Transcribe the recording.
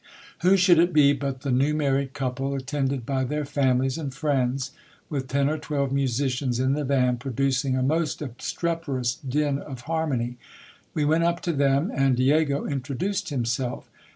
Who should it be but the new married couple, attended by their families and friends, with ten or twelve musicians in the van, producing a most obstreperous din of harmony. We went up to them, and Diego introduced himself.